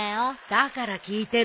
だから聞いてるの。